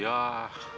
ya yaudah pak